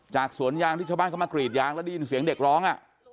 สวนยางที่ชาวบ้านเขามากรีดยางแล้วได้ยินเสียงเด็กร้อง